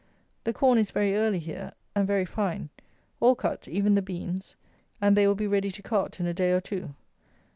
The corn is very early here, and very fine. All cut, even the beans; and they will be ready to cart in a day or two.